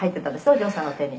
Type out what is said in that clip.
「お嬢さんの手に」